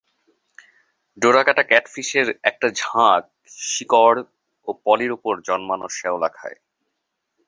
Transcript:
ডোরাকাটা ক্যাটফিশের একটা ঝাঁক শিকড় ও পলির উপর জন্মানো শেওলা খায়।